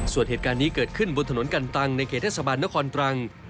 ส่วนเหตุการณ์นี้เกิดขึ้นบนถนนกันตังในเขตเทศบาลนครตรัง